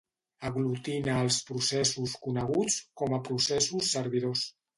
Aglutina els processos coneguts com a processos servidors.